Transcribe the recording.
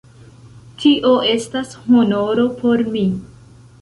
Tio estas honoro por mi.